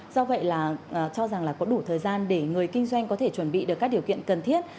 do vậy là cho rằng là có đủ thời gian để người kinh doanh có thể chuẩn bị được các điều kiện cần thiết